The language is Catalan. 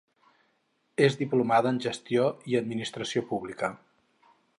És diplomada en Gestió i Administració Pública.